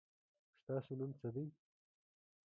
ستاسو نوم څه دی ؟